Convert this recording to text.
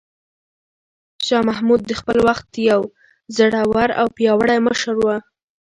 شاه محمود د خپل وخت یو زړور او پیاوړی مشر و.